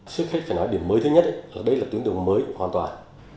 trước hết phải nói điểm mới thứ nhất là đây là tuyến đường mới hoàn toàn